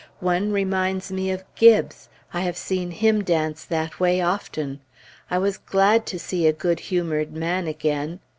One reminds me of Gibbes; I have seen him dance that way often. I was glad to see a good humored man again.